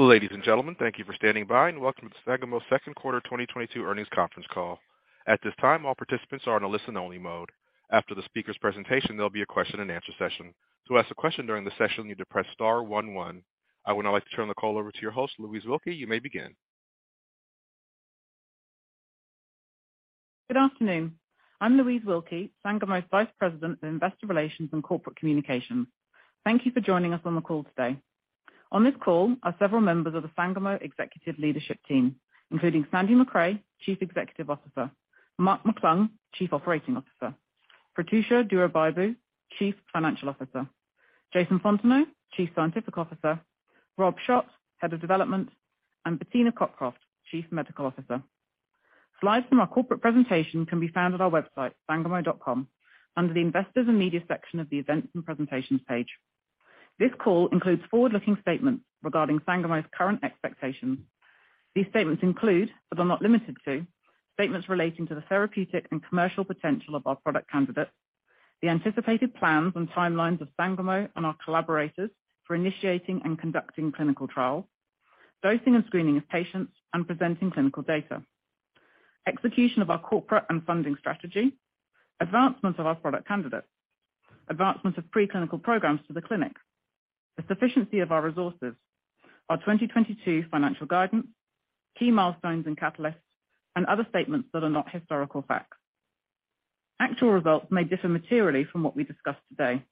Ladies and gentlemen, thank you for standing by and welcome to Sangamo's second quarter 2022 earnings conference call. At this time, all participants are in a listen-only mode. After the speaker's presentation, there'll be a question and answer session. To ask a question during the session, you need to press Star one. I would now like to turn the call over to your host, Louise Wilkie. You may begin. Good afternoon. I'm Louise Wilkie, Sangamo's Vice President of Investor Relations and Corporate Communications. Thank you for joining us on the call today. On this call are several members of the Sangamo executive leadership team, including Sandy Macrae, Chief Executive Officer, Mark McClung, Chief Operating Officer, Prathyusha Duraibabu, Chief Financial Officer, Jason Fontenot, Chief Scientific Officer, Rob Schott, Head of Development, and Bettina Cockroft, Chief Medical Officer. Slides from our corporate presentation can be found at our website, sangamo.com, under the Investors and Media section of the Events and Presentations page. This call includes forward-looking statements regarding Sangamo's current expectations. These statements include, but are not limited to, statements relating to the therapeutic and commercial potential of our product candidates, the anticipated plans and timelines of Sangamo and our collaborators for initiating and conducting clinical trials, dosing and screening of patients and presenting clinical data, execution of our corporate and funding strategy, advancement of our product candidates, advancement of pre-clinical programs to the clinic, the sufficiency of our resources, our 2022 financial guidance, key milestones and catalysts, and other statements that are not historical facts. Actual results may differ materially from what we discuss today.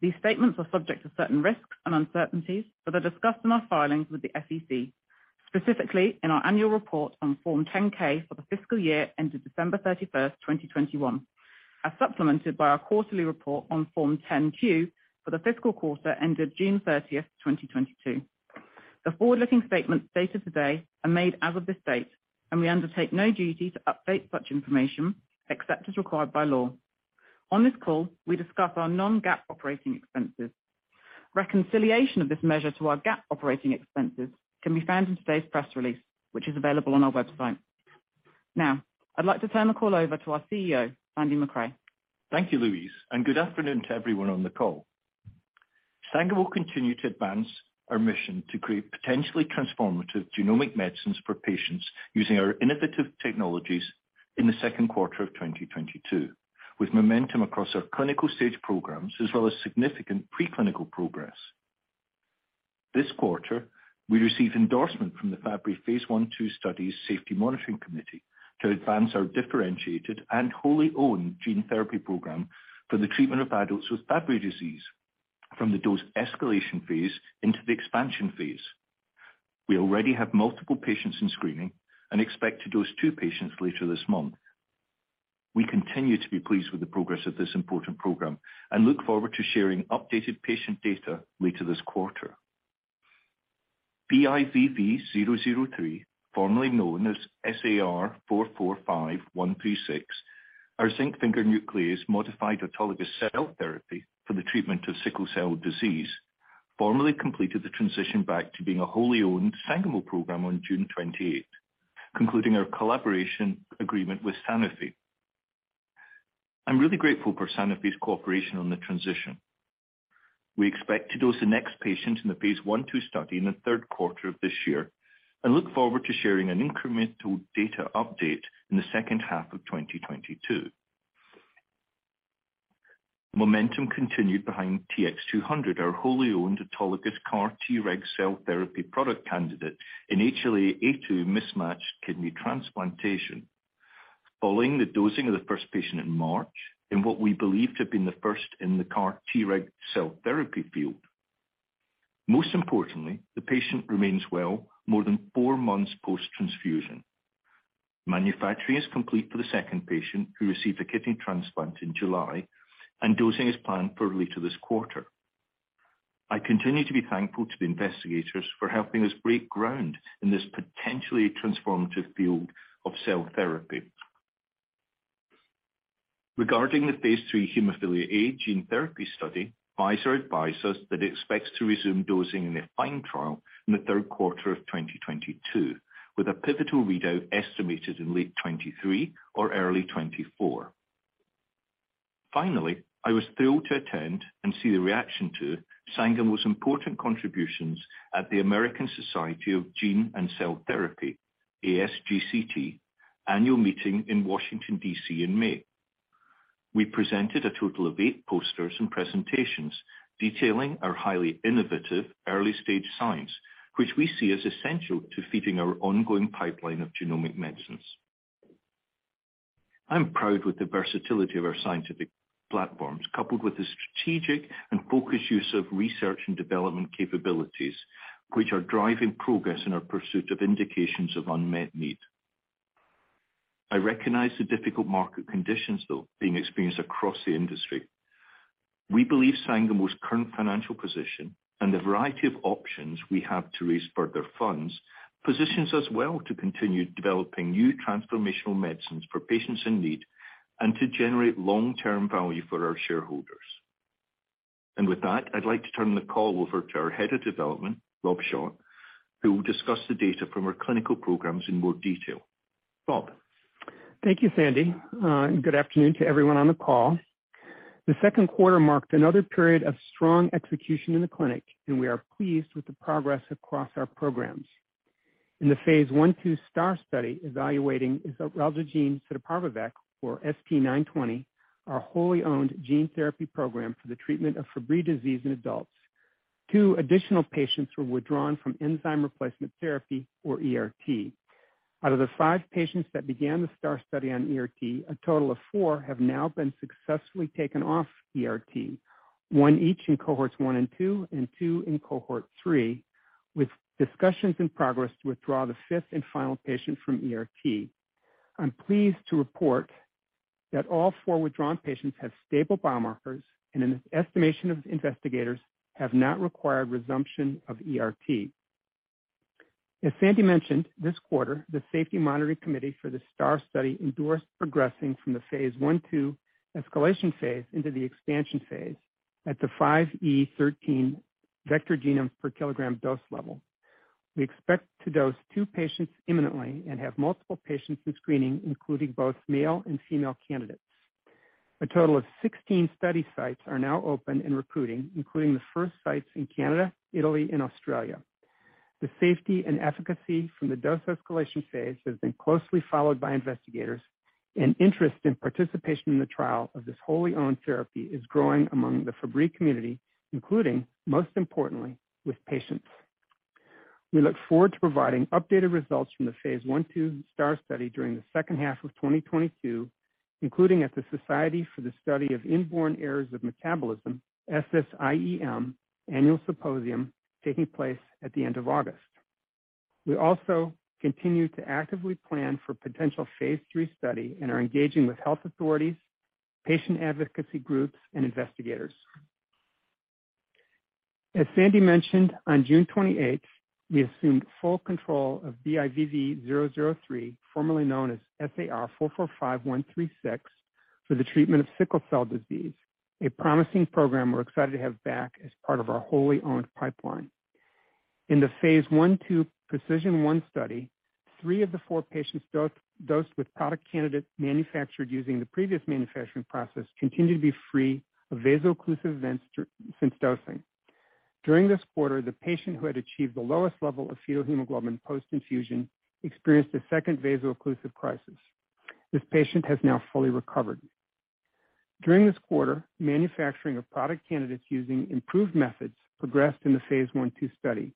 These statements are subject to certain risks and uncertainties that are discussed in our filings with the SEC, specifically in our annual report on Form 10-K for the fiscal year ended December 31, 2021, as supplemented by our quarterly report on Form 10-Q for the fiscal quarter ended June 30, 2022. The forward-looking statements dated today are made as of this date, and we undertake no duty to update such information except as required by law. On this call, we discuss our non-GAAP operating expenses. Reconciliation of this measure to our GAAP operating expenses can be found in today's press release, which is available on our website. Now, I'd like to turn the call over to our CEO, Sandy Macrae. Thank you, Louise, and good afternoon to everyone on the call. Sangamo will continue to advance our mission to create potentially transformative genomic medicines for patients using our innovative technologies in the second quarter of 2022, with momentum across our clinical stage programs as well as significant pre-clinical progress. This quarter, we received endorsement from the Fabry phase I/II study's safety monitoring committee to advance our differentiated and wholly owned gene therapy program for the treatment of adults with Fabry disease from the dose escalation phase into the expansion phase. We already have multiple patients in screening and expect to dose two patients later this month. We continue to be pleased with the progress of this important program and look forward to sharing updated patient data later this quarter. BIVV003, formerly known as SAR 445136, our zinc finger nuclease modified autologous cell therapy for the treatment of sickle cell disease, formally completed the transition back to being a wholly owned Sangamo program on June 28, concluding our collaboration agreement with Sanofi. I'm really grateful for Sanofi's cooperation on the transition. We expect to dose the next patient in the phase I, II study in the third quarter of this year and look forward to sharing an incremental data update in the second half of 2022. Momentum continued behind TX200, our wholly owned autologous CAR-Treg cell therapy product candidate in HLA-A2 mismatched kidney transplantation. Following the dosing of the first patient in March in what we believe to have been the first in the CAR-Treg cell therapy field. Most importantly, the patient remains well more than four months post-transfusion. Manufacturing is complete for the second patient who received a kidney transplant in July and dosing is planned for later this quarter. I continue to be thankful to the investigators for helping us break ground in this potentially transformative field of cell therapy. Regarding the phase III hemophilia A gene therapy study, Pfizer advised us that it expects to resume dosing in the AFFINE trial in the third quarter of 2022, with a pivotal readout estimated in late 2023 or early 2024. I was thrilled to attend and see the reaction to Sangamo's important contributions at the American Society of Gene & Cell Therapy, ASGCT, annual meeting in Washington, D.C. in May. We presented a total of eight posters and presentations detailing our highly innovative early-stage science, which we see as essential to feeding our ongoing pipeline of genomic medicines. I'm proud with the versatility of our scientific platforms, coupled with the strategic and focused use of research and development capabilities, which are driving progress in our pursuit of indications of unmet need. I recognize the difficult market conditions, though, being experienced across the industry. We believe Sangamo's current financial position and the variety of options we have to raise further funds positions us well to continue developing new transformational medicines for patients in need and to generate long-term value for our shareholders. With that, I'd like to turn the call over to our Head of Development, Rob Schott, who will discuss the data from our clinical programs in more detail. Rob? Thank you, Sandy. Good afternoon to everyone on the call. The second quarter marked another period of strong execution in the clinic, and we are pleased with the progress across our programs. In the phase I/II STAAR study evaluating isaralgagene civaparvovec, or ST-920, our wholly owned gene therapy program for the treatment of Fabry disease in adults. Two additional patients were withdrawn from enzyme replacement therapy, or ERT. Out of the five patients that began the STAAR study on ERT, a total of four have now been successfully taken off ERT, one each in cohorts 1 and 2 and 2 in cohort 3, with discussions in progress to withdraw the fifth and final patient from ERT. I'm pleased to report that all four withdrawn patients have stable biomarkers and the investigators have not required resumption of ERT. As Sandy mentioned, this quarter, the safety monitoring committee for the STAAR study endorsed progressing from the phase I/II escalation phase into the expansion phase at the 5e13 vector genome per kilogram dose level. We expect to dose two patients imminently and have multiple patients in screening, including both male and female candidates. A total of 16 study sites are now open and recruiting, including the first sites in Canada, Italy and Australia. The safety and efficacy from the dose escalation phase has been closely followed by investigators, and interest in participation in the trial of this wholly owned therapy is growing among the Fabry community, including, most importantly, with patients. We look forward to providing updated results from the phase I/II STAAR study during the second half of 2022, including at the Society for the Study of Inborn Errors of Metabolism, SSIEM annual symposium taking place at the end of August. We also continue to actively plan for potential phase III study and are engaging with health authorities, patient advocacy groups and investigators. As Sandy mentioned, on June 28th, we assumed full control of BIVV003, formerly known as SAR 445136, for the treatment of sickle cell disease, a promising program we're excited to have back as part of our wholly owned pipeline. In the phase I/II PRECIZN-1 study, three of the four patients dosed with product candidate manufactured using the previous manufacturing process continued to be free of vaso-occlusive events since dosing. During this quarter, the patient who had achieved the lowest level of fetal hemoglobin post-infusion experienced a second vaso-occlusive crisis. This patient has now fully recovered. During this quarter, manufacturing of product candidates using improved methods progressed in the phase I/II study.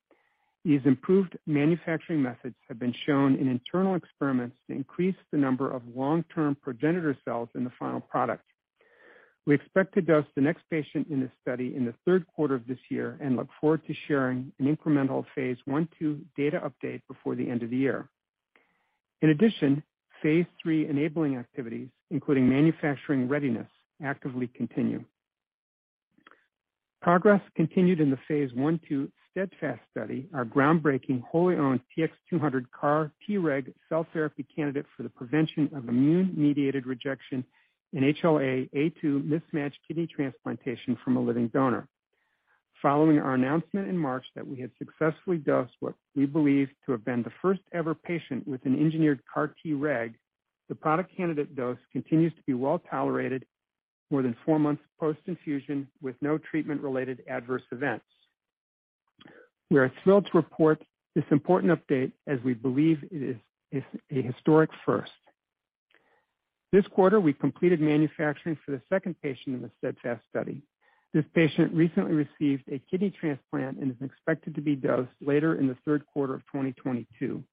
These improved manufacturing methods have been shown in internal experiments to increase the number of long-term progenitor cells in the final product. We expect to dose the next patient in this study in the third quarter of this year and look forward to sharing an incremental phase I/II data update before the end of the year. In addition, phase III enabling activities, including manufacturing readiness, actively continue. Progress continued in the phase I/II STEADFAST study, our groundbreaking wholly owned TX200 CAR-Treg cell therapy candidate for the prevention of immune-mediated rejection in HLA-A2 mismatched kidney transplantation from a living donor. Following our announcement in March that we had successfully dosed what we believe to have been the first ever patient with an engineered CAR-Treg, the product candidate dose continues to be well tolerated more than four months post-infusion with no treatment-related adverse events. We are thrilled to report this important update as we believe it is a historic first. This quarter, we completed manufacturing for the second patient in the STEADFAST study. This patient recently received a kidney transplant and is expected to be dosed later in the third quarter of 2022.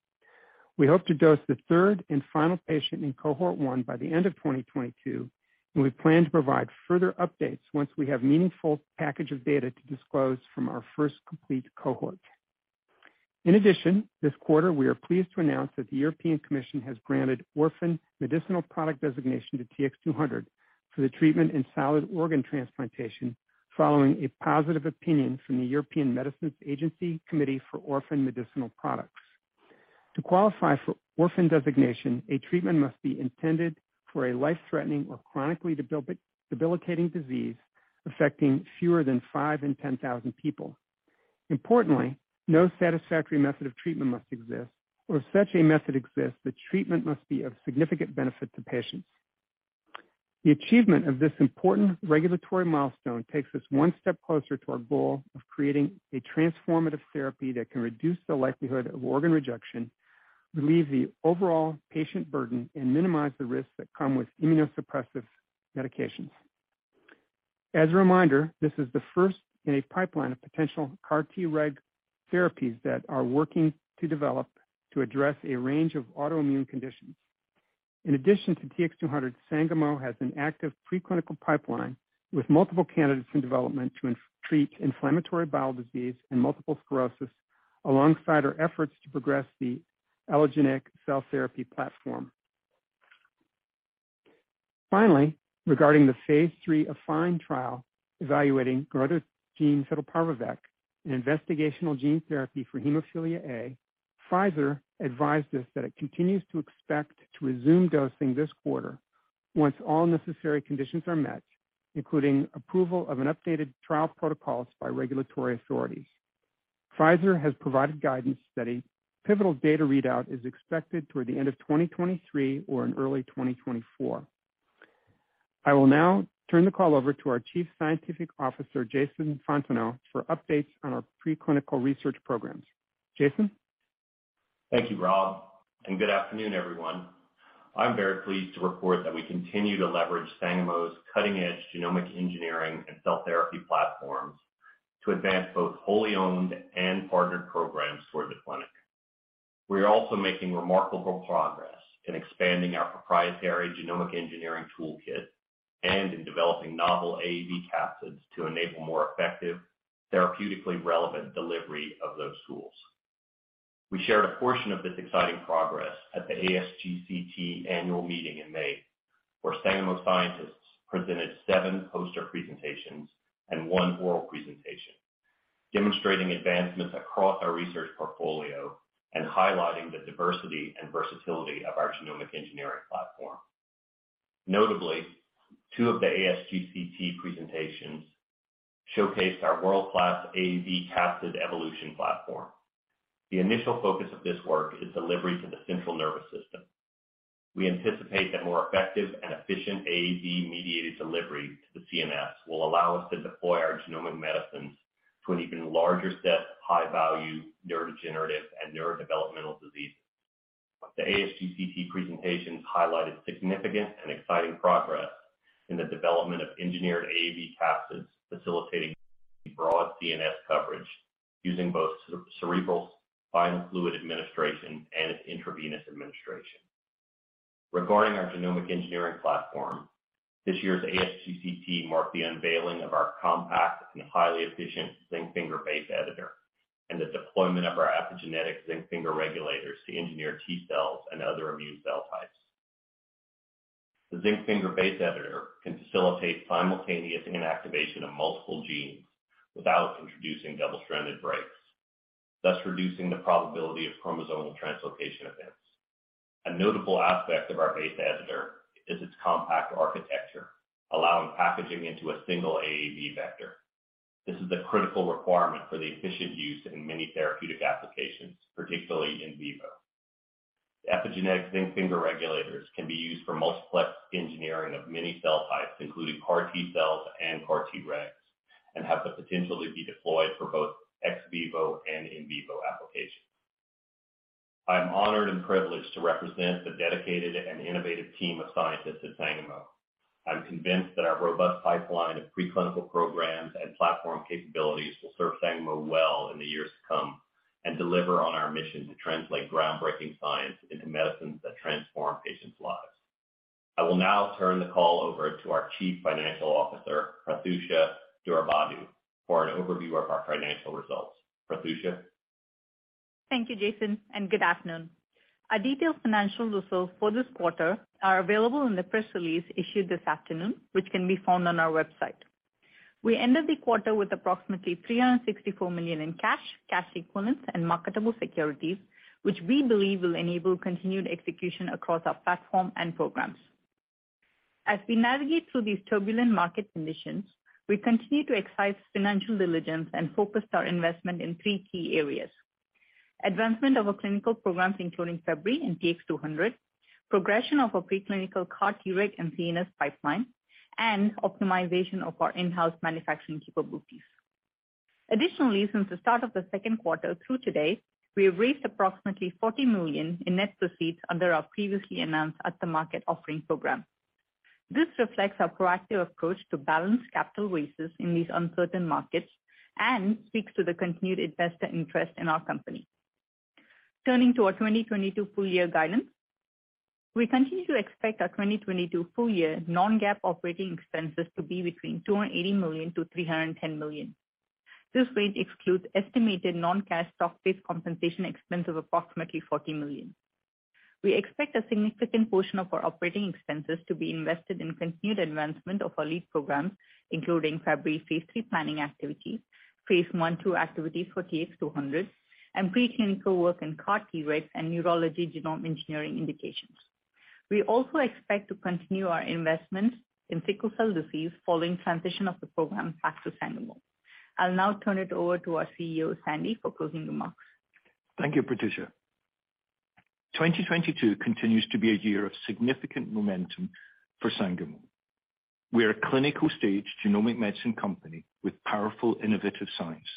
We hope to dose the third and final patient in cohort one by the end of 2022, and we plan to provide further updates once we have meaningful package of data to disclose from our first complete cohort. In addition, this quarter we are pleased to announce that the European Commission has granted orphan medicinal product designation to TX200 for the treatment in solid organ transplantation, following a positive opinion from the European Medicines Agency Committee for Orphan Medicinal Products. To qualify for orphan designation, a treatment must be intended for a life-threatening or chronically debilitating disease affecting fewer than five in 10,000 people. Importantly, no satisfactory method of treatment must exist, or if such a method exists, the treatment must be of significant benefit to patients. The achievement of this important regulatory milestone takes us one step closer to our goal of creating a transformative therapy that can reduce the likelihood of organ rejection, relieve the overall patient burden, and minimize the risks that come with immunosuppressive medications. As a reminder, this is the first in a pipeline of potential CAR T reg therapies that are working to develop to address a range of autoimmune conditions. In addition to TX200, Sangamo has an active pre-clinical pipeline with multiple candidates in development to treat inflammatory bowel disease and multiple sclerosis alongside our efforts to progress the allogeneic cell therapy platform. Finally, regarding the phase III AFFINE trial evaluating giroctocogene fitelparvovec, an investigational gene therapy for hemophilia A, Pfizer advised us that it continues to expect to resume dosing this quarter once all necessary conditions are met, including approval of an updated trial protocols by regulatory authorities. Pfizer has provided guidance that a pivotal data readout is expected toward the end of 2023 or in early 2024. I will now turn the call over to our Chief Scientific Officer, Jason Fontenot, for updates on our preclinical research programs. Jason? Thank you, Rob, and good afternoon, everyone. I'm very pleased to report that we continue to leverage Sangamo's cutting-edge genomic engineering and cell therapy platforms to advance both wholly owned and partnered programs toward the clinic. We are also making remarkable progress in expanding our proprietary genomic engineering toolkit and in developing novel AAV capsids to enable more effective therapeutically relevant delivery of those tools. We shared a portion of this exciting progress at the ASGCT annual meeting in May, where Sangamo scientists presented seven poster presentations and one oral presentation, demonstrating advancements across our research portfolio and highlighting the diversity and versatility of our genomic engineering platform. Notably, two of the ASGCT presentations showcased our world-class AAV capsid evolution platform. The initial focus of this work is delivery to the central nervous system. We anticipate that more effective and efficient AAV-mediated delivery to the CNS will allow us to deploy our genomic medicines to an even larger set of high-value neurodegenerative and neurodevelopmental diseases. The ASGCT presentations highlighted significant and exciting progress in the development of engineered AAV capsids facilitating broad CNS coverage using both cerebral spinal fluid administration and intravenous administration. Regarding our genomic engineering platform, this year's ASGCT marked the unveiling of our compact and highly efficient zinc finger-based editor and the deployment of our epigenetic zinc finger regulators to engineer T-cells and other immune cell types. The zinc finger-based editor can facilitate simultaneous inactivation of multiple genes without introducing double-stranded breaks, thus reducing the probability of chromosomal translocation events. A notable aspect of our base editor is its compact architecture, allowing packaging into a single AAV vector. This is a critical requirement for the efficient use in many therapeutic applications, particularly in vivo. The epigenetic zinc finger regulators can be used for multiplex engineering of many cell types, including CAR T cells and CAR-Tregs, and have the potential to be deployed for both ex vivo and in vivo applications. I'm honored and privileged to represent the dedicated and innovative team of scientists at Sangamo. I'm convinced that our robust pipeline of preclinical programs and platform capabilities will serve Sangamo well in the years to come and deliver on our mission to translate groundbreaking science into medicines that transform patients' lives. I will now turn the call over to our Chief Financial Officer, Prathyusha Duraibabu, for an overview of our financial results. Prathyusha? Thank you, Jason, and good afternoon. Our detailed financial results for this quarter are available in the press release issued this afternoon, which can be found on our website. We ended the quarter with approximately $364 million in cash equivalents, and marketable securities, which we believe will enable continued execution across our platform and programs. As we navigate through these turbulent market conditions, we continue to exercise financial diligence and focused our investment in three key areas. Advancement of our clinical programs, including Fabry and TX200, progression of our preclinical CAR-Treg and CNS pipeline, and optimization of our in-house manufacturing capabilities. Additionally, since the start of the second quarter through today, we have raised approximately $40 million in net proceeds under our previously announced at-the-market offering program. This reflects our proactive approach to balance capital raises in these uncertain markets and speaks to the continued investor interest in our company. Turning to our 2022 full year guidance, we continue to expect our 2022 full year non-GAAP operating expenses to be between $280 million-$310 million. This range excludes estimated non-cash stock-based compensation expense of approximately $40 million. We expect a significant portion of our operating expenses to be invested in continued advancement of our lead programs, including Fabry phase III planning activities, phase I/II activities for TX200, and preclinical work in CAR-Treg and neurology genome engineering indications. We also expect to continue our investments in sickle cell disease following transition of the program back to Sangamo. I'll now turn it over to our CEO, Sandy, for closing remarks. Thank you, Prathyusha. 2022 continues to be a year of significant momentum for Sangamo. We are a clinical stage genomic medicine company with powerful, innovative science,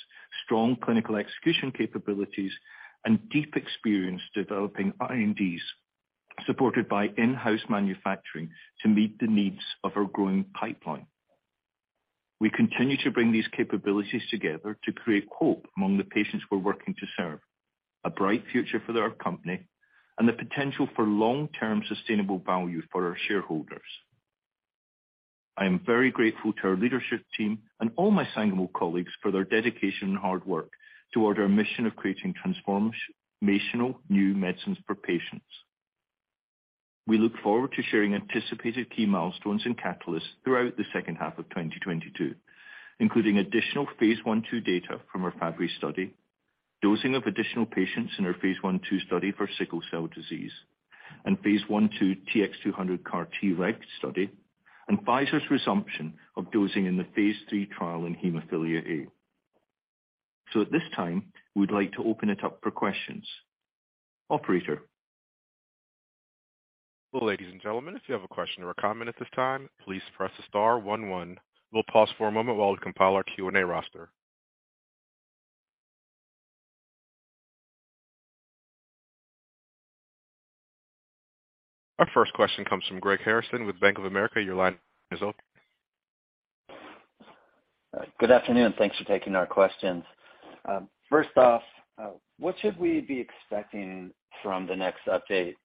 strong clinical execution capabilities, and deep experience developing INDs supported by in-house manufacturing to meet the needs of our growing pipeline. We continue to bring these capabilities together to create hope among the patients we're working to serve. A bright future for our company and the potential for long-term sustainable value for our shareholders. I am very grateful to our leadership team and all my Sangamo colleagues for their dedication and hard work toward our mission of creating transformational new medicines for patients. We look forward to sharing anticipated key milestones and catalysts throughout the second half of 2022, including additional phase 1/2 data from our Fabry study, dosing of additional patients in our phase I/II study for sickle cell disease, phase I/II TX200 CAR-Treg study, and Pfizer's resumption of dosing in the phase III trial in hemophilia A. At this time, we'd like to open it up for questions. Operator. Ladies and gentlemen, if you have a question or a comment at this time, please press Star one one. We'll pause for a moment while we compile our Q&A roster. Our first question comes from Greg Harrison with Bank of America. Your line is open. Good afternoon. Thanks for taking our questions. First off, what should we be expecting from the next update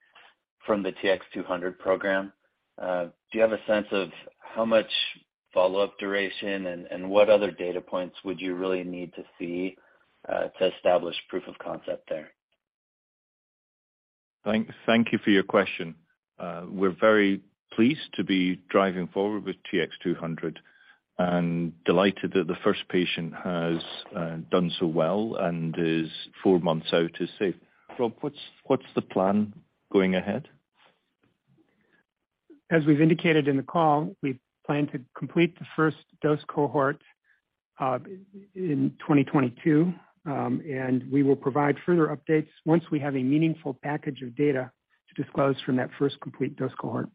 from the TX200 program? Do you have a sense of how much follow-up duration and what other data points would you really need to see to establish proof of concept there? Thank you for your question. We're very pleased to be driving forward with TX200 and delighted that the first patient has done so well and is four months out, is safe. Rob, what's the plan going ahead? As we've indicated in the call, we plan to complete the first dose cohort in 2022. We will provide further updates once we have a meaningful package of data to disclose from that first complete dose cohort.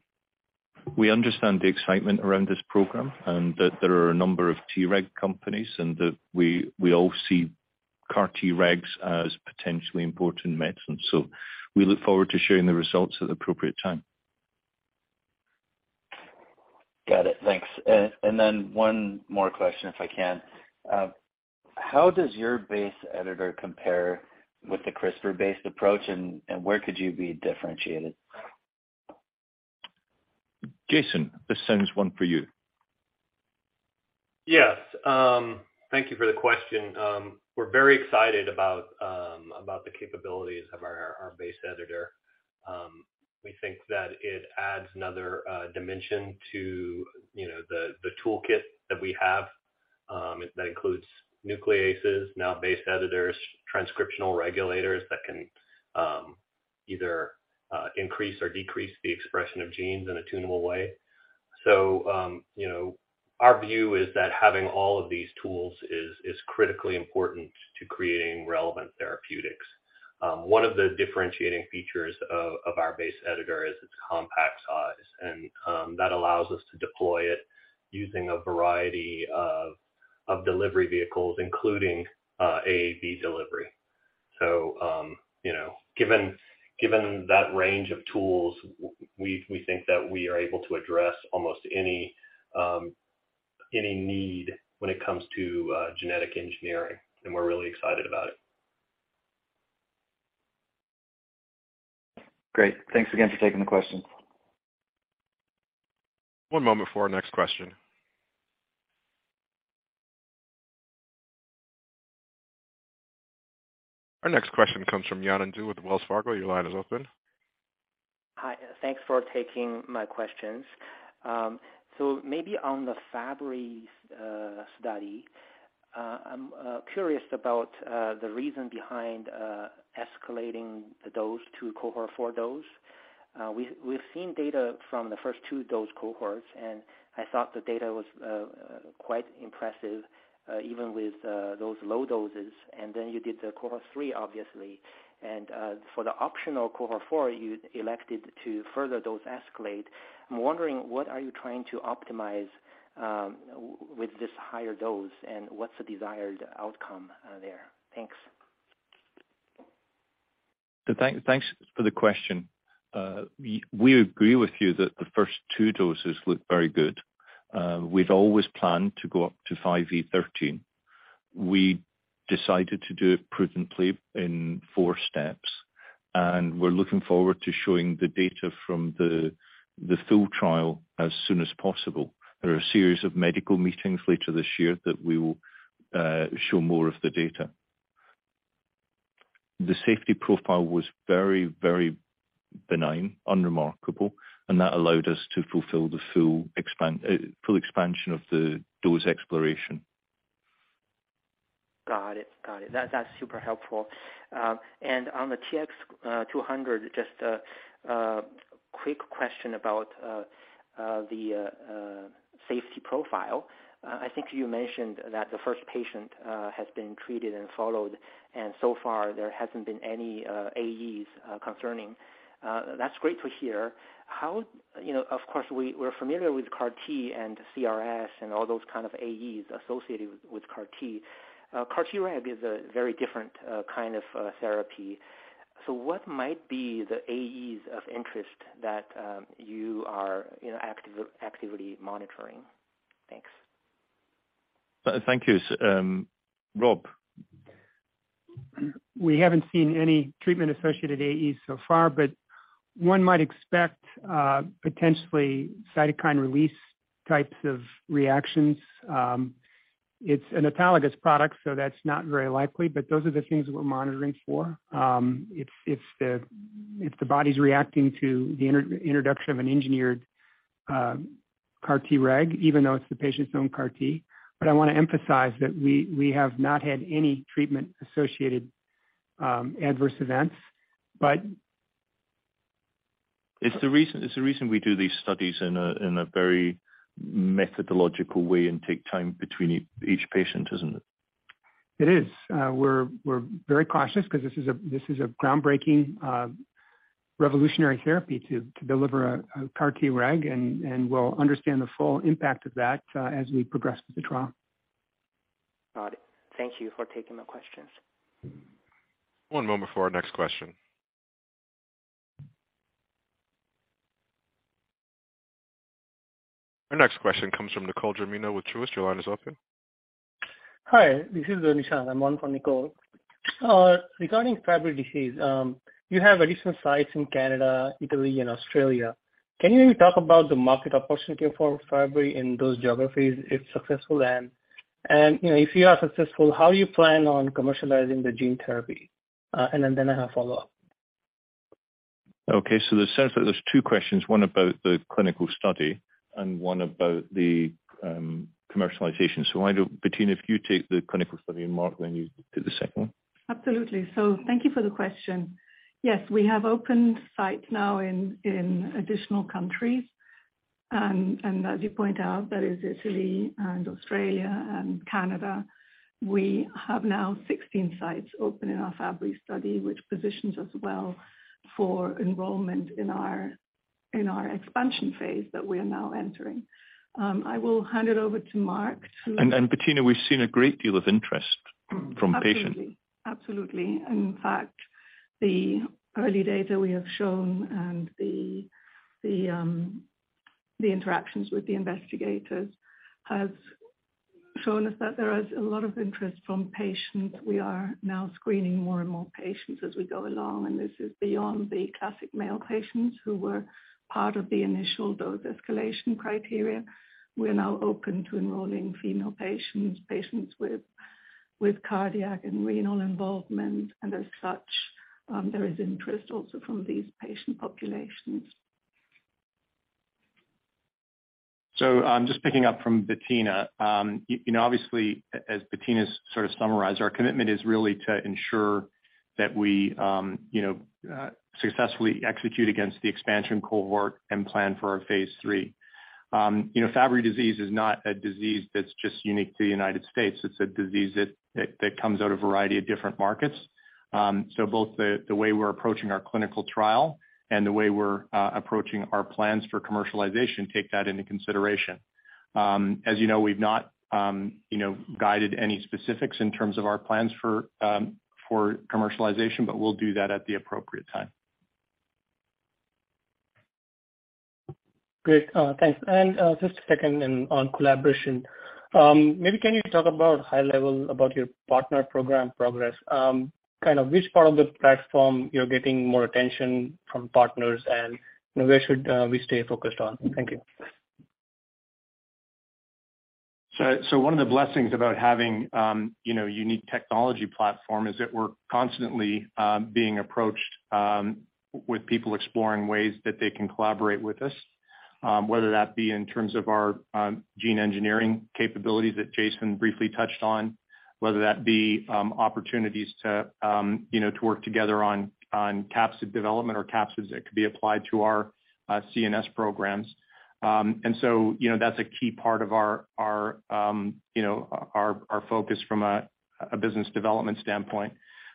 We understand the excitement around this program and that there are a number of Treg companies and that we all see CAR Tregs as potentially important medicine. We look forward to sharing the results at the appropriate time. Got it. Thanks. One more question, if I can? How does your base editor compare with the CRISPR-based approach, and where could you be differentiated? Jason, this one's for you. Yes. Thank you for the question. We're very excited about the capabilities of our base editor. We think that it adds another dimension to, you know, the toolkit that we have that includes nucleases, now base editors, transcriptional regulators that can either increase or decrease the expression of genes in a tunable way. You know, our view is that having all of these tools is critically important to creating relevant therapeutics. One of the differentiating features of our base editor is its compact size, and that allows us to deploy it using a variety of delivery vehicles, including AAV delivery. You know, given that range of tools, we think that we are able to address almost any need when it comes to genetic engineering, and we're really excited about it. Great. Thanks again for taking the question. One moment for our next question. Our next question comes from Yanan Zhu with Wells Fargo. Your line is open. Hi. Thanks for taking my questions. Maybe on the Fabry study, I'm curious about the reason behind escalating the dose to cohort four dose. We've seen data from the first two dose cohorts, and I thought the data was quite impressive, even with those low doses. Then you did the cohort three, obviously. For the optional cohort four, you elected to further dose escalate. I'm wondering what you are trying to optimize with this higher dose, and what's the desired outcome there? Thanks. Thanks for the question. We agree with you that the first two doses look very good. We've always planned to go up to 5e13. We decided to do it prudently in four steps, and we're looking forward to showing the data from the full trial as soon as possible. There are a series of medical meetings later this year that we will show more of the data. The safety profile was very benign, unremarkable, and that allowed us to fulfill the full expansion of the dose exploration. Got it. That's super helpful. On the TX200, just a quick question about the safety profile. I think you mentioned that the first patient has been treated and followed, and so far there hasn't been any AEs concerning. That's great to hear. You know, of course, we're familiar with CAR T and CRS and all those kind of AEs associated with CAR T. CAR-Treg is a very different kind of therapy. What might be the AEs of interest that you are, you know, actively monitoring? Thanks. Thank you. Rob. We haven't seen any treatment-associated AEs so far, but one might expect potentially cytokine release types of reactions. It's an autologous product, so that's not very likely. Those are the things that we're monitoring for. If the body's reacting to the re-introduction of an engineered CAR-Treg, even though it's the patient's own CAR-T. I wanna emphasize that we have not had any treatment-associated adverse events. It's the reason we do these studies in a very methodological way and take time between each patient, isn't it? It is. We're very cautious 'cause this is a groundbreaking, revolutionary therapy to deliver a CAR-Treg, and we'll understand the full impact of that as we progress with the trial. Got it. Thank you for taking the questions. One moment for our next question. Our next question comes from Nicole Germino with Truist. Your line is open. Hi, this is Nishant. I'm on for Nicole. Regarding Fabry disease, you have additional sites in Canada, Italy and Australia. Can you talk about the market opportunity for Fabry in those geographies if successful then? You know, if you are successful, how you plan on commercializing the gene therapy? I have follow-up. Okay. It sounds like there's two questions, one about the clinical study and one about the commercialization. Why don't, Bettina, if you take the clinical study, and Mark, then you do the second one. Absolutely. Thank you for the question. Yes, we have opened sites now in additional countries. As you point out, that is Italy and Australia and Canada. We have now 16 sites open in our Fabry study, which positions us well for enrollment in our expansion phase that we're now entering. I will hand it over to Mark to- Bettina, we've seen a great deal of interest from patients. Absolutely. In fact, the early data we have shown and the interactions with the investigators has shown us that there is a lot of interest from patients. We are now screening more and more patients as we go along, and this is beyond the classic male patients who were part of the initial dose escalation criteria. We're now open to enrolling female patients with cardiac and renal involvement. As such, there is interest also from these patient populations. Just picking up from Bettina, you know, obviously, as Bettina's sort of summarized, our commitment is really to ensure that we, you know, successfully execute against the expansion cohort and plan for our phase III. You know, Fabry disease is not a disease that's just unique to the United States. It's a disease that comes from a variety of different markets. Both the way we're approaching our clinical trial and the way we're approaching our plans for commercialization take that into consideration. As you know, we've not, you know, guided any specifics in terms of our plans for commercialization, but we'll do that at the appropriate time. Great. Thanks. Just a second and on collaboration, maybe can you talk about high level about your partner program progress? Kind of which part of the platform you're getting more attention from partners and, you know, where should we stay focused on? Thank you. One of the blessings about having, you know, unique technology platform is that we're constantly being approached with people exploring ways that they can collaborate with us, whether that be in terms of our gene engineering capabilities that Jason briefly touched on, whether that be opportunities to, you know, to work together on capsid development or capsids that could be applied to our CNS programs. You know, that's a key part of our focus from a business development standpoint.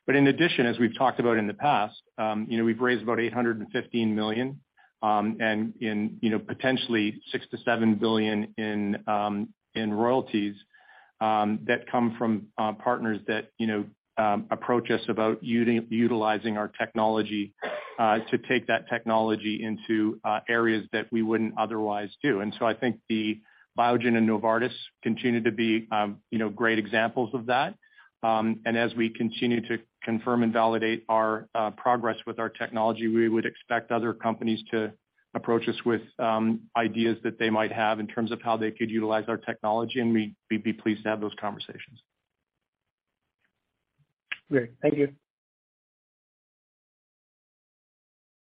In addition, as we've talked about in the past, you know, we've raised about $815 million, and in, you know, potentially $6 billion to $7 billion in royalties, that come from partners that, you know, approach us about utilizing our technology, to take that technology into areas that we wouldn't otherwise do. I think Biogen and Novartis continue to be, you know, great examples of that. As we continue to confirm and validate our progress with our technology, we would expect other companies to approach us with ideas that they might have in terms of how they could utilize our technology, and we'd be pleased to have those conversations. Great. Thank you.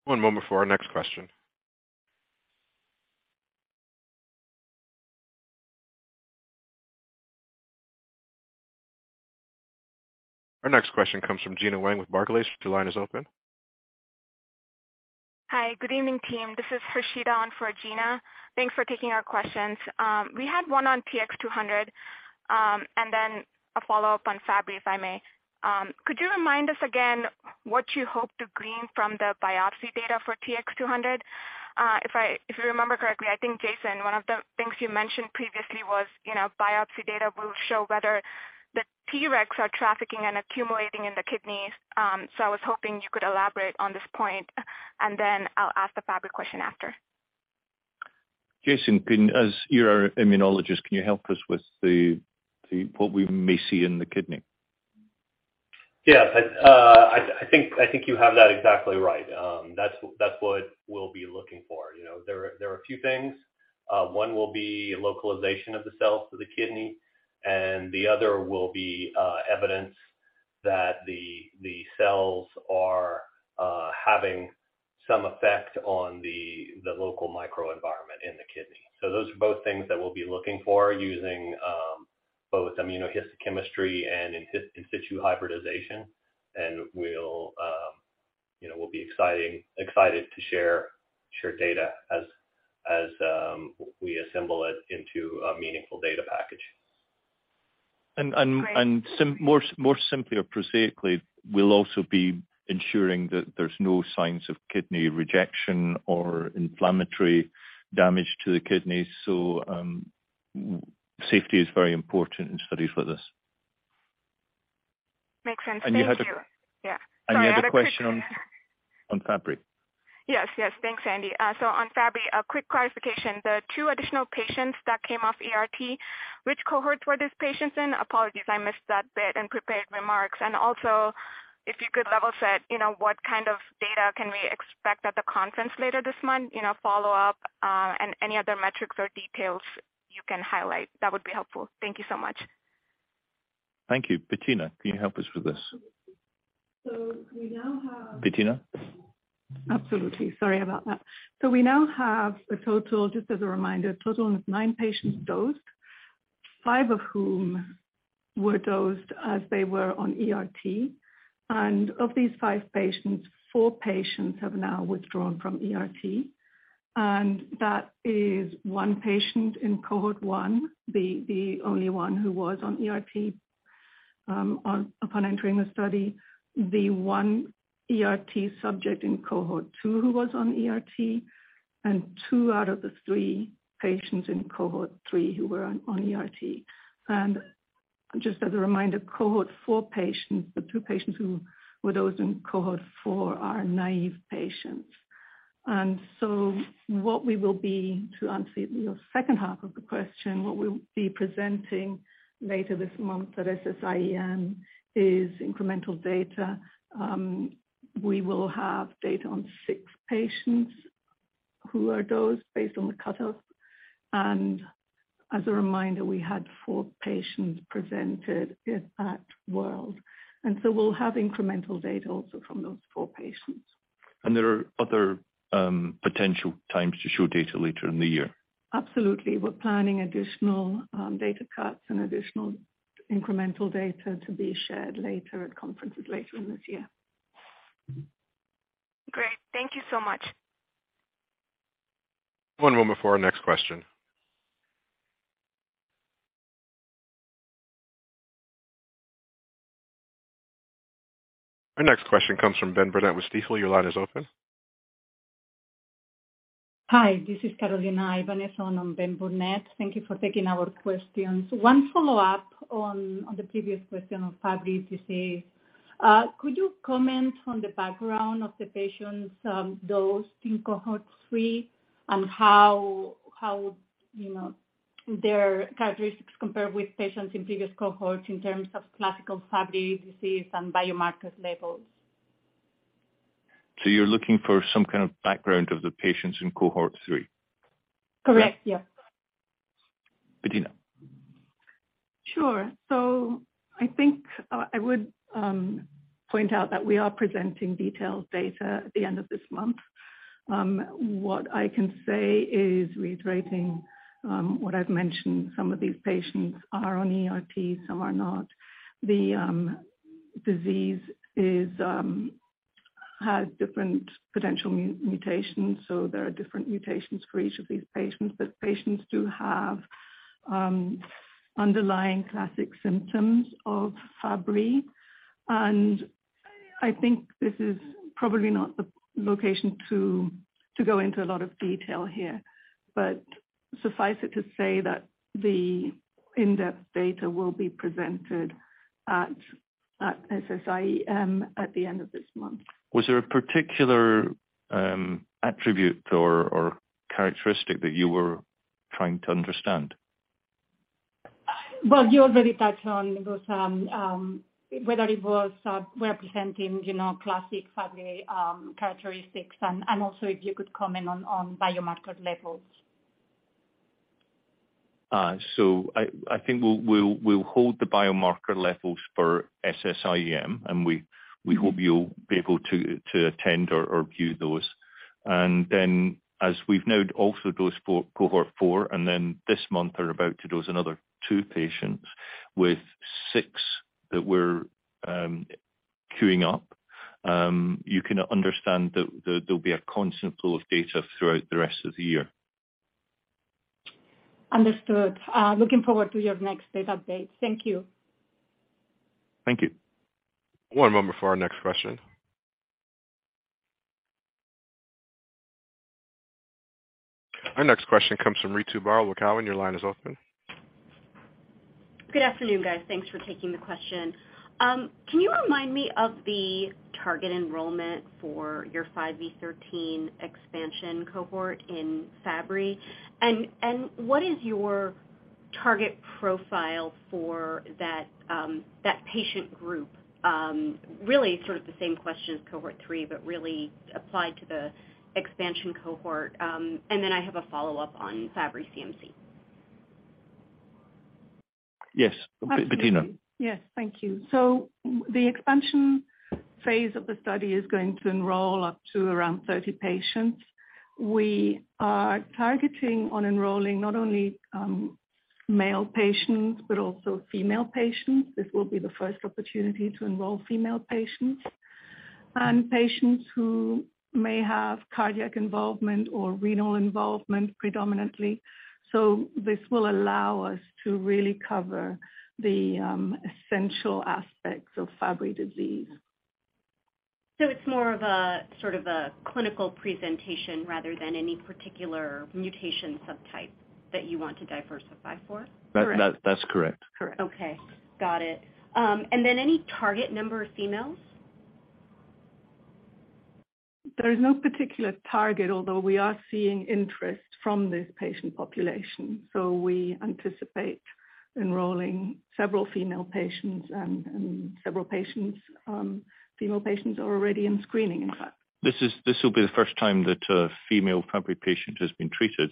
One moment for our next question. Our next question comes from Gena Wang with Barclays. Your line is open. Hi, good evening, team. This is Rashida on for Gena. Thanks for taking our questions. We had one on TX200, and then a follow-up on Fabry, if I may. Could you remind us again what you hope to gain from the biopsy data for TX200? If I remember correctly, I think, Jason, one of the things you mentioned previously was, you know, biopsy data will show whether the Tregs are trafficking and accumulating in the kidneys. So I was hoping you could elaborate on this point, and then I'll ask the Fabry question after. Jason, as you're our immunologist, can you help us with the what we may see in the kidney? Yeah. I think you have that exactly right. That's what we'll be looking for. You know, there are a few things. One will be localization of the cells to the kidney, and the other will be evidence- That the cells are having some effect on the local microenvironment in the kidney. Those are both things that we'll be looking for using both immunohistochemistry and in situ hybridization. We'll you know be excited to share data as we assemble it into a meaningful data package. And, and- Great. More simply or prosaically, we'll also be ensuring that there's no signs of kidney rejection or inflammatory damage to the kidneys. Safety is very important in studies like this. Makes sense. Thank you. And you had a- Yeah. Sorry, I had a quick. You had a question on Fabry. Yes, yes. Thanks, Sandy. On Fabry, a quick clarification. The two additional patients that came off ERT, which cohorts were these patients in? Apologies, I missed that bit in prepared remarks. If you could level set, you know, what kind of data can we expect at the conference later this month, you know, follow-up, and any other metrics or details you can highlight, that would be helpful. Thank you so much. Thank you. Bettina, can you help us with this? We now have. Bettina? Absolutely. Sorry about that. We now have a total, just as a reminder, a total of nine patients dosed. Five of whom were dosed as they were on ERT. Of these five patients, four patients have now withdrawn from ERT. That is one patient in cohort 1, the only one who was on ERT upon entering the study. The one ERT subject in cohort 2 who was on ERT, and two out of the three patients in cohort 3 who were on ERT. Just as a reminder, cohort four patients, the two patients who were dosed in cohort 4 are naive patients. What we will be, to answer your second half of the question, what we'll be presenting later this month at SSIEM is incremental data. We will have data on six patients who are dosed based on the cut-offs. As a reminder, we had four patients presented at WORLD Symposium. We'll have incremental data also from those four patients. There are other, potential times to show data later in the year. Absolutely. We're planning additional data cuts and additional incremental data to be shared later at conferences later in this year. Great. Thank you so much. One moment before our next question. Our next question comes from Benjamin Burnett with Stifel. Your line is open. Hi, this is Carolina Ibañez on Benjamin Burnett. Thank you for taking our questions. One follow-up on the previous question on Fabry disease. Could you comment on the background of the patients dosed in cohort 3 and how their characteristics compare with patients in previous cohorts in terms of classical Fabry disease and biomarker levels? You're looking for some kind of background of the patients in cohort three? Correct. Yeah. Bettina. Sure. I think I would point out that we are presenting detailed data at the end of this month. What I can say is reiterating what I've mentioned, some of these patients are on ERT, some are not. The disease has different potential mutations. There are different mutations for each of these patients, but patients do have underlying classic symptoms of Fabry. I think this is probably not the location to go into a lot of detail here. Suffice it to say that the in-depth data will be presented at SSIEM at the end of this month. Was there a particular attribute or characteristic that you were trying to understand? Well, you already touched on whether it was representing, you know, classic Fabry characteristics and also if you could comment on biomarker levels? I think we'll hold the biomarker levels for SSIEM, and we hope you'll be able to attend or view those. Then as we've now also dosed for cohort 4, and then this month are about to dose another two patients with six that we're queuing up, you can understand that there'll be a constant flow of data throughout the rest of the year. Understood. Looking forward to your next data update. Thank you. Thank you. One moment for our next question. Our next question comes from Ritu Baral with Cowen. Your line is open. Good afternoon, guys. Thanks for taking the question. Can you remind me of the target enrollment for your 5e13 expansion cohort in Fabry? What is your target profile for that patient group? Really sort of the same question as cohort three, but really applied to the expansion cohort. I have a follow-up on Fabry CMC. Yes, Bettina. Yes, thank you. The expansion phase of the study is going to enroll up to around 30 patients. We are targeting on enrolling not only male patients, but also female patients. This will be the first opportunity to enroll female patients. Patients who may have cardiac involvement or renal involvement predominantly. This will allow us to really cover the essential aspects of Fabry disease. It's more of a, sort of a clinical presentation rather than any particular mutation subtype that you want to diversify for? That's correct. Correct. Okay. Got it. Any target number of females? There is no particular target, although we are seeing interest from this patient population. We anticipate enrolling several female patients and several patients. Female patients are already in screening, in fact. This will be the first time that a female Fabry patient has been treated.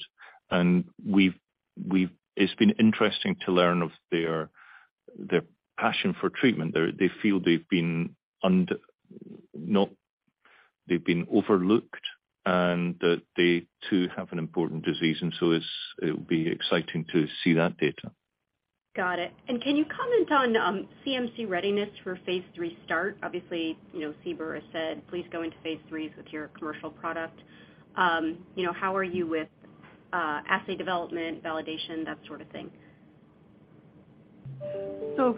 It's been interesting to learn of their passion for treatment. They feel they've been overlooked and that they too have an important disease. It'll be exciting to see that data. Got it. Can you comment on, CMC readiness for phase III start? Obviously, you know, CBER has said, "Please go into phase III with your commercial product." You know, how are you with, assay development, validation, that sort of thing?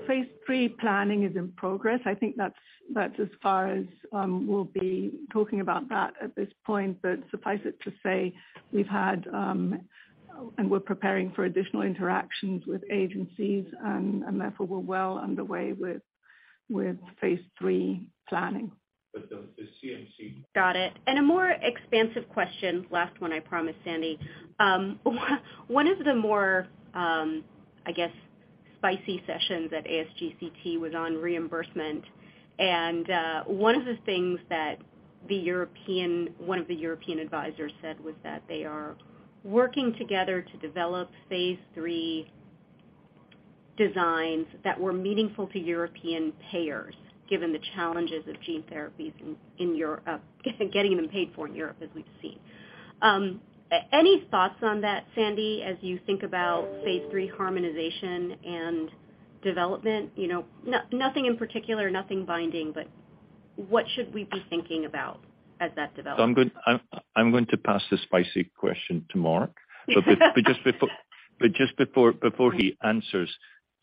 Phase III planning is in progress. I think that's as far as we'll be talking about that at this point. Suffice it to say we've had and we're preparing for additional interactions with agencies and therefore we're well underway with phase III planning. The CMC. Got it. A more expansive question. Last one, I promise, Sandy. One of the more, I guess, spicy sessions at ASGCT was on reimbursement. One of the things that one of the European advisors said was that they are working together to develop phase III designs that were meaningful to European payers, given the challenges of gene therapies getting them paid for in Europe, as we've seen. Any thoughts on that, Sandy, as you think about phase III harmonization and development? You know, nothing in particular, nothing binding, but what should we be thinking about as that develops? I'm going to pass the spicy question to Mark. But just before he answers,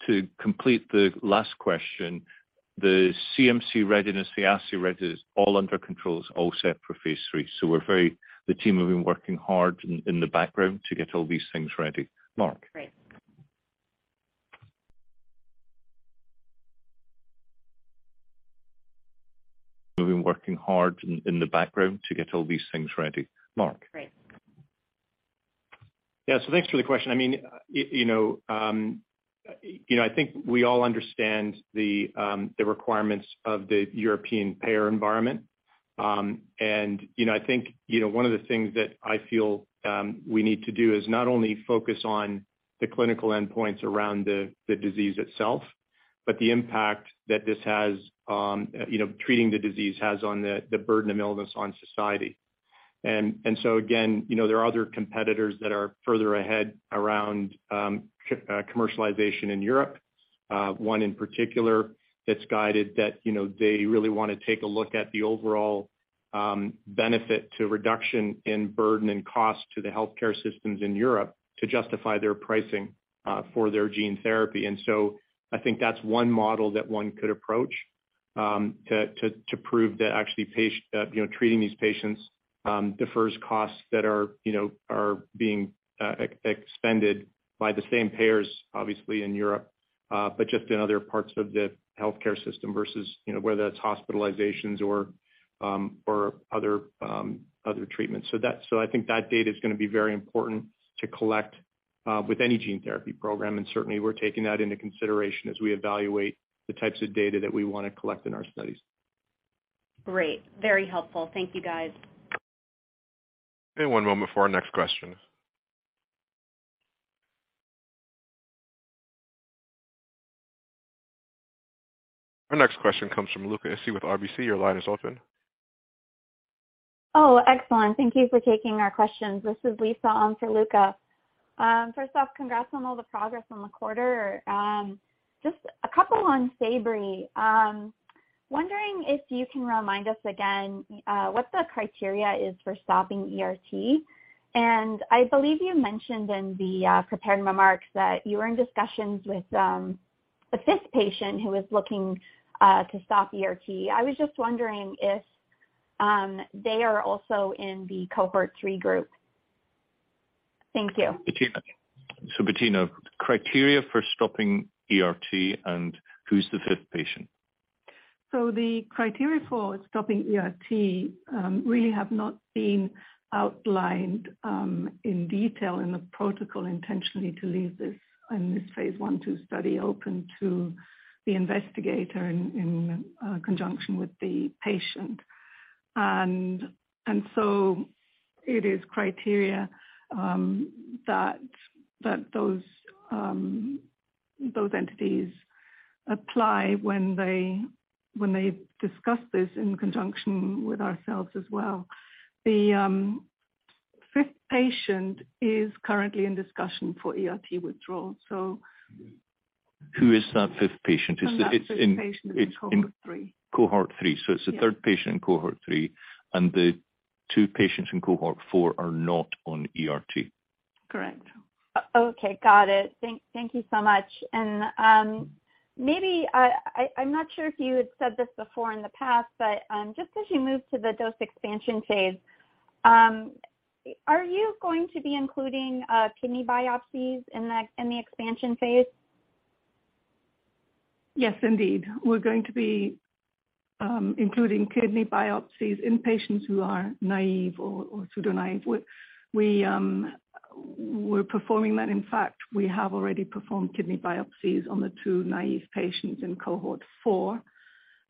to complete the last question, the CMC readiness, the assay readiness, all under control, is all set for phase three. We're very-- The team have been working hard in the background to get all these things ready. Mark. Great. We've been working hard in the background to get all these things ready. Mark. Great. Thanks for the question. I mean, you know, I think we all understand the requirements of the European payer environment. You know, I think, you know, one of the things that I feel we need to do is not only focus on the clinical endpoints around the disease itself, but the impact that this has, you know, treating the disease has on the burden of illness on society. So again, you know, there are other competitors that are further ahead around commercialization in Europe. One in particular that's guided that, you know, they really wanna take a look at the overall benefit to reduction in burden and cost to the healthcare systems in Europe to justify their pricing for their gene therapy. I think that's one model that one could approach, to prove that actually you know, treating these patients, defers costs that are, you know, are being expended by the same payers, obviously, in Europe, but just in other parts of the healthcare system versus, you know, whether that's hospitalizations or other treatments. I think that data is gonna be very important to collect, with any gene therapy program, and certainly we're taking that into consideration as we evaluate the types of data that we wanna collect in our studies. Great. Very helpful. Thank you, guys. Okay, one moment for our next question. Our next question comes from Luca Issi with RBC. Your line is open. Excellent. Thank you for taking our questions. This is Lisa on for Luca. First off, congrats on all the progress in the quarter. Just a couple on Fabry. Wondering if you can remind us again what the criteria is for stopping ERT. I believe you mentioned in the prepared remarks that you were in discussions with a fifth patient who is looking to stop ERT. I was just wondering if they are also in the cohort three group. Thank you. Bettina. Bettina, criteria for stopping ERT and who's the fifth patient? The criteria for stopping ERT really have not been outlined in detail in the protocol intentionally to leave this in this phase 1/2 study open to the investigator in conjunction with the patient. It is criteria that those entities apply when they discuss this in conjunction with ourselves as well. The fifth patient is currently in discussion for ERT withdrawal. Who is that fifth patient? Is it? That fifth patient is in cohort 3. Cohort 3. Yes. It's the 3rd patient in cohort 3, and the two patients in cohort 4 are not on ERT. Correct. Okay. Got it. Thank you so much. Maybe I'm not sure if you had said this before in the past, but just as you move to the dose expansion phase, are you going to be including kidney biopsies in the expansion phase? Yes, indeed. We're going to be including kidney biopsies in patients who are naive or pseudo-naive. We're performing that. In fact, we have already performed kidney biopsies on the two naive patients in cohort 4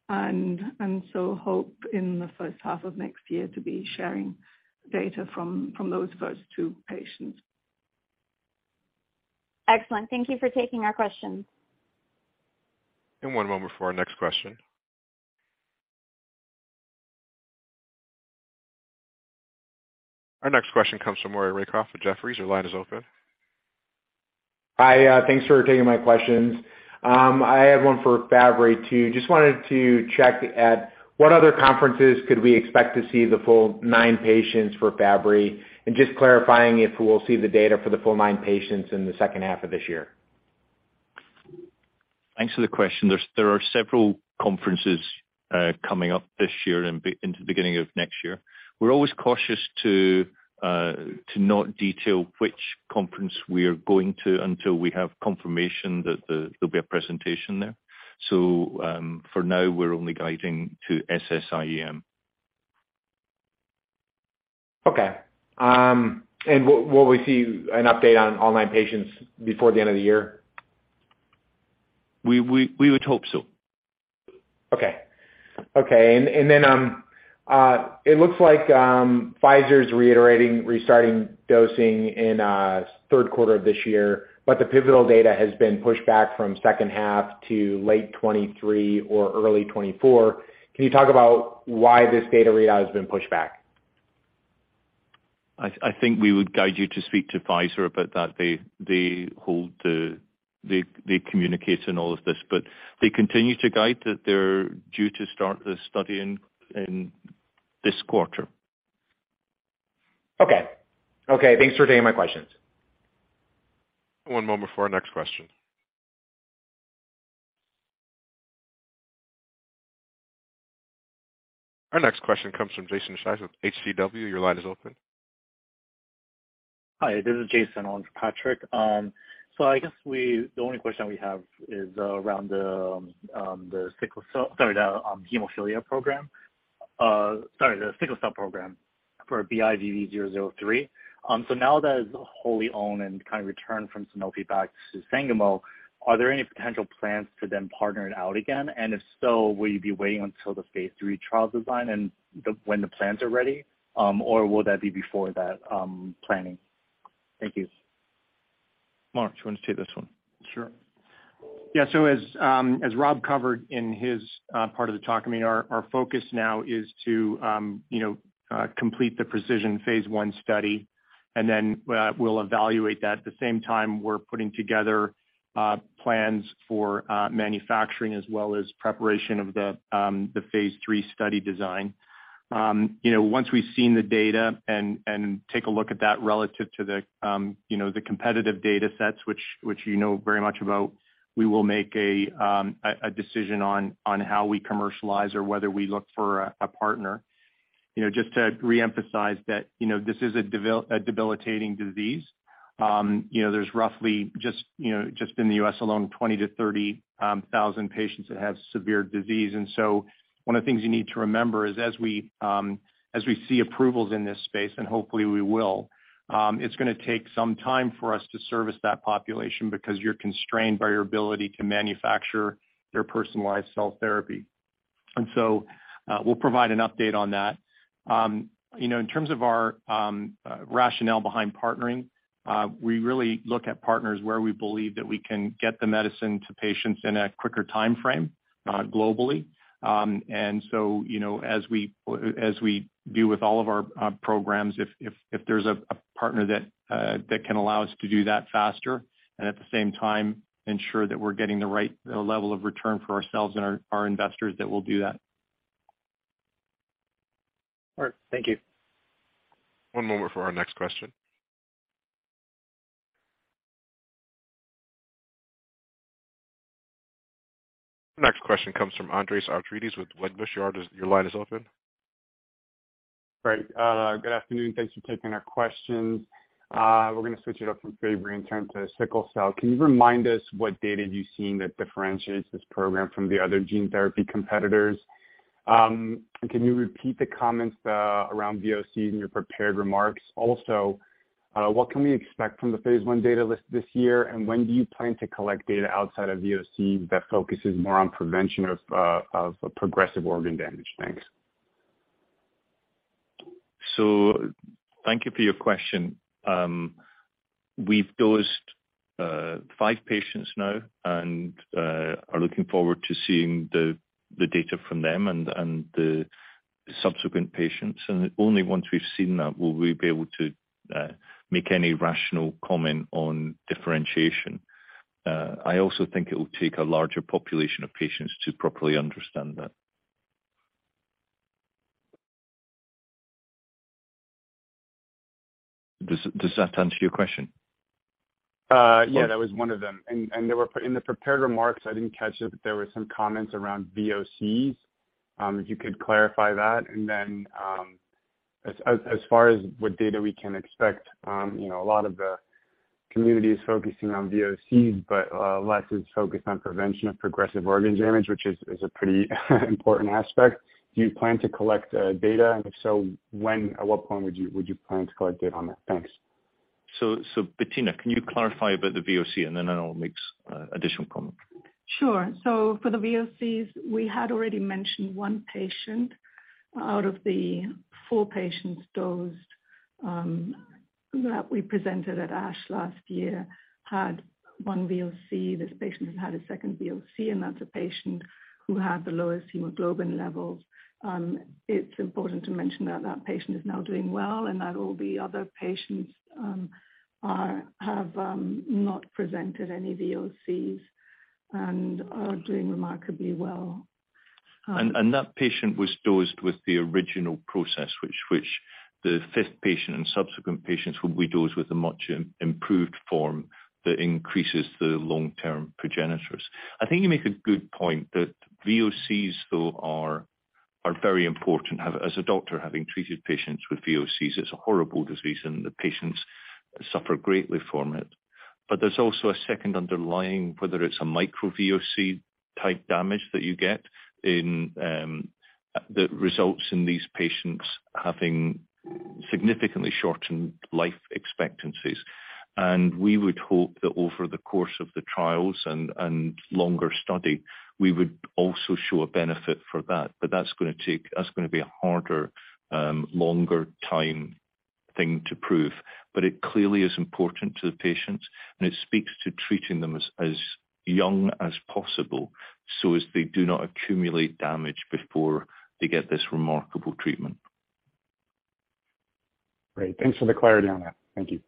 and so hope in the first half of next year to be sharing data from those first two patients. Excellent. Thank you for taking our question. One moment for our next question. Our next question comes from Maury Raycroft with Jefferies. Your line is open. Hi. Thanks for taking my questions. I had one for Fabry too. Just wanted to check at what other conferences could we expect to see the full nine patients for Fabry? And just clarifying if we'll see the data for the full nine patients in the second half of this year. Thanks for the question. There are several conferences coming up this year and into the beginning of next year. We're always cautious to not detail which conference we are going to until we have confirmation that there'll be a presentation there. For now we're only guiding to SSIEM. Okay. Will we see an update on all nine patients before the end of the year? We would hope so. It looks like Pfizer's reiterating restarting dosing in third quarter of this year, but the pivotal data has been pushed back from second half to late 2023 or early 2024. Can you talk about why this data readout has been pushed back? I think we would guide you to speak to Pfizer about that. They communicate in all of this, but they continue to guide that they're due to start the study in this quarter. Okay. Thanks for taking my questions. One moment for our next question. Our next question comes from Jason [inaudible] with HCW your line is open. Hi, this is Jason on for Patrick. The only question we have is around the sickle cell program for BIVV003. Now that it's wholly owned and kind of returned from Sanofi back to Sangamo, are there any potential plans to then partner it out again? And if so, will you be waiting until the phase three trial design and when the plans are ready? Or will that be before that planning? Thank you. Mark, do you want to take this one? Sure. Yeah. As Rob covered in his part of the talk, I mean, our focus now is to, you know, complete the PRECIZN-1 phase I study, and then we'll evaluate that. At the same time, we're putting together plans for manufacturing as well as preparation of the phase III study design. You know, once we've seen the data and take a look at that relative to the, you know, the competitive data sets which you know very much about, we will make a decision on how we commercialize or whether we look for a partner. You know, just to reemphasize that, you know, this is a debilitating disease. You know, there's roughly just, you know, just in the U.S. alone, 20,000 to 30,000 patients that have severe disease. One of the things you need to remember is as we see approvals in this space, and hopefully we will, it's gonna take some time for us to service that population because you're constrained by your ability to manufacture their personalized cell therapy. We'll provide an update on that. You know, in terms of our rationale behind partnering, we really look at partners where we believe that we can get the medicine to patients in a quicker timeframe, globally. You know, as we do with all of our programs, if there's a partner that can allow us to do that faster, and at the same time ensure that we're getting the right level of return for ourselves and our investors, then we'll do that. All right. Thank you. One moment for our next question. The next question comes from Andreas Argyrides with Wedbush. Your line is open. Great. Good afternoon. Thanks for taking our questions. We're gonna switch it up from Fabry and turn to sickle cell. Can you remind us what data you've seen that differentiates this program from the other gene therapy competitors? Can you repeat the comments around VOCs in your prepared remarks? Also- What can we expect from the phase I data readout this year? When do you plan to collect data outside of VOC that focuses more on prevention of progressive organ damage? Thanks. Thank you for your question. We've dosed five patients now and are looking forward to seeing the data from them and the subsequent patients. Only once we've seen that will we be able to make any rational comment on differentiation. I also think it will take a larger population of patients to properly understand that. Does that answer your question? Yeah, that was one of them. In the prepared remarks, I didn't catch it, but there were some comments around VOCs, if you could clarify that. Then, as far as what data we can expect, you know, a lot of the community is focusing on VOCs, but less is focused on prevention of progressive organ damage, which is a pretty important aspect. Do you plan to collect data? If so, at what point would you plan to collect data on that? Thanks. Bettina, can you clarify about the VOC? I'll make additional comment. For the VOCs, we had already mentioned one patient out of the four patients dosed that we presented at ASH last year had one VOC. This patient has had a second VOC, and that's a patient who had the lowest hemoglobin levels. It's important to mention that that patient is now doing well and that all the other patients have not presented any VOCs and are doing remarkably well. That patient was dosed with the original process which the fifth patient and subsequent patients will be dosed with a much improved form that increases the long-term progenitors. I think you make a good point that VOCs though are very important. As a doctor, having treated patients with VOCs, it's a horrible disease, and the patients suffer greatly from it. There's also a second underlying, whether it's a micro VOC type damage that you get in that results in these patients having significantly shortened life expectancies. We would hope that over the course of the trials and longer study, we would also show a benefit for that. That's gonna be a harder, longer time thing to prove. It clearly is important to the patients, and it speaks to treating them as young as possible so as they do not accumulate damage before they get this remarkable treatment. Great. Thanks for the clarity on that. Thank you.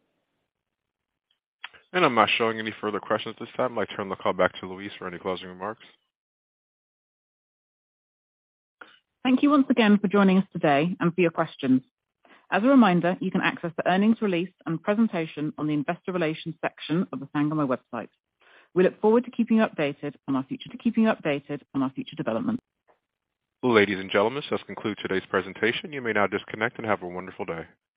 I'm not showing any further questions at this time. I'd like to turn the call back to Louise for any closing remarks. Thank you once again for joining us today and for your questions. As a reminder, you can access the earnings release and presentation on the investor relations section of the Sangamo website. We look forward to keeping you updated on our future developments. Ladies and gentlemen, this does conclude today's presentation. You may now disconnect and have a wonderful day.